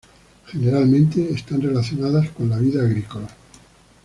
Generalmente están relacionadas con la vida agrícola.